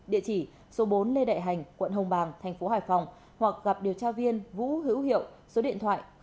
địa chỉ số bốn lê đại hành quận hồng bàng tp hải phòng hoặc gặp điều tra viên vũ hữu hiệu số điện thoại chín trăm tám mươi ba tám trăm bốn mươi một trăm một mươi ba